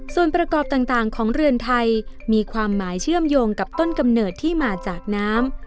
ส่วนประกอบต่างของเรือนไทยมีความหมายเชื่อมโยงกับต้นกำเนิดที่มาจากน้ำ